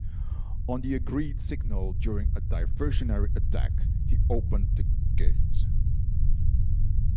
On the agreed signal, during a diversionary attack, he opened the gate.